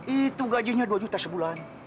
itu gajinya dua juta sebulan